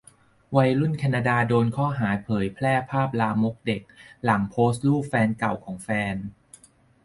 วัยรุ่นแคนาดาโดนข้อหาเผยแพร่ภาพลามกเด็กหลังโพสต์รูปแฟนเก่าของแฟน